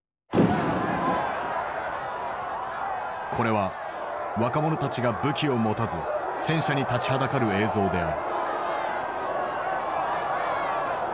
これは若者たちが武器を持たず戦車に立ちはだかる映像である。